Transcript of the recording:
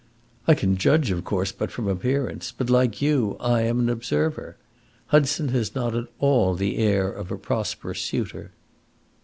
"I can judge, of course, but from appearance; but, like you, I am an observer. Hudson has not at all the air of a prosperous suitor."